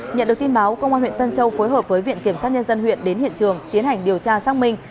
nhận được tin báo công an huyện tân châu phối hợp với viện kiểm sát nhân dân huyện đến hiện trường tiến hành điều tra xác minh